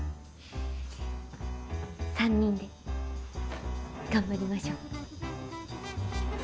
３人で頑張りましょ。